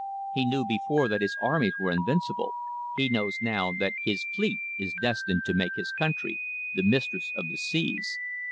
He knew before that his armies were invincible. He knows now that his fleet is destined to make his country the mistress of the seas.